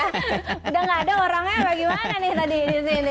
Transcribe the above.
udah nggak ada orangnya apa gimana nih tadi di sini